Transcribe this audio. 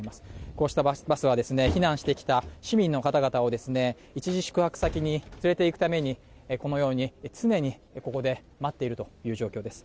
こうしたバスは避難してきた市民の方々を一時宿泊先に連れていくためにこのように常にここで待っているという状況です。